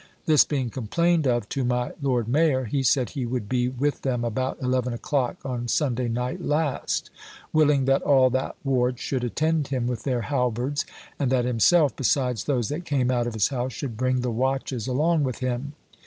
This being complained of to my Lord Mayor, he said he would be with them about eleven o'clock on Sunday night last; willing that all that ward should attend him with their halberds, and that himself, besides those that came out of his house, should bring the Watches along with him.